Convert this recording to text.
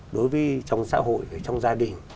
đối với trong xã hội trong gia đình